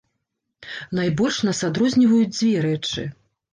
Найбольш нас адрозніваюць дзве рэчы.